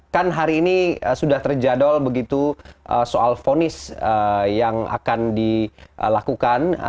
kan hari ini sudah terjadol begitu soal fonis yang akan dilakukan